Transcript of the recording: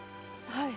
はい。